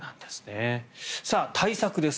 対策です。